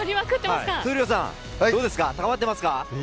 闘莉王さんどうですか、高まってますか。